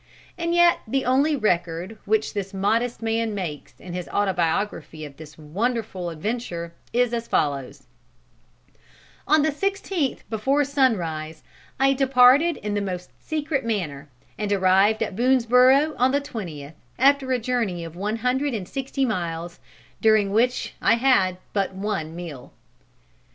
And yet the only record which this modest man makes, in his autobiography, of this wonderful adventure is as follows: "On the sixteenth, before sunrise, I departed in the most secret manner, and arrived at Boonesborough on the twentieth, after a journey of one hundred and sixty miles, during which I had but one meal."